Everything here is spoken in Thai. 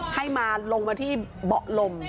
ให้มาลงมาที่เบาะลม